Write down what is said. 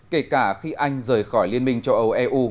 kể cả khi anh rời khỏi liên minh châu âu eu